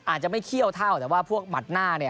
อาจจะไม่เคี่ยวเท่าแต่ว่าพวกหมัดหน้าเนี่ย